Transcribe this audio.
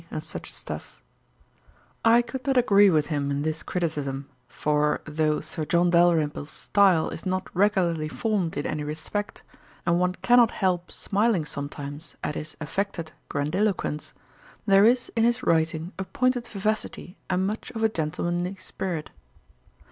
and such stuff.' I could not agree with him in this criticism; for though Sir John Dalrymple's style is not regularly formed in any respect, and one cannot help smiling sometimes at his affected grandiloquence, there is in his writing a pointed vivacity, and much of a gentlemanly spirit.